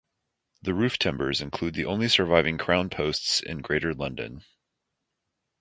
The roof timbers include the only surviving crown posts in Greater London.